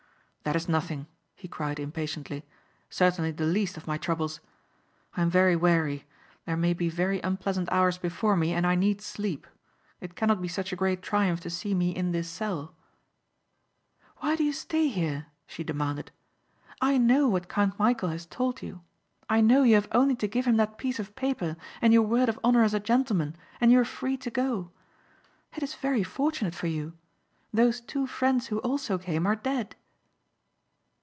"That is nothing," he cried impatiently. "Certainly the least of my troubles. I am very weary; there may be very unpleasant hours before me and I need sleep. It cannot be such a great triumph to see me in this cell?" "Why do you stay here?" she demanded. "I know what Count Michæl has told you. I know you have only to give him that piece of paper and your word of honor as a gentleman and you are free to go. It is very fortunate for you. Those two friends who also came are dead."